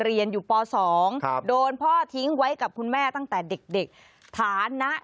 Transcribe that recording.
เรียนอยู่ป๒โดนพ่อทิ้งไว้กับคุณแม่ตั้งแต่เด็กฐานะ